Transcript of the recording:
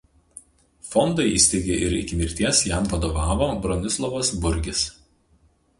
Fondą įsteigė ir iki mirties jam vadovavo Bronislovas Burgis.